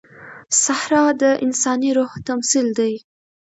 صحرا د انساني روح تمثیل دی.